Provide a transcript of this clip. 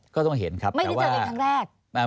ก็ต้องเห็นครับแต่ว่าไม่ได้เจอกันทั้งแรก